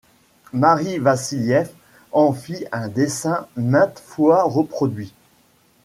Marie Vassilieff en fit un dessin maintes fois reproduit.